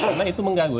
karena itu mengganggu